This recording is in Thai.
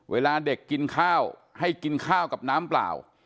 เวลาเด็กกินข้าวให้กินข้าวกับน้ำเปล่า